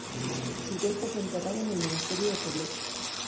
Su cuerpo fue enterrado en el Monasterio de Poblet.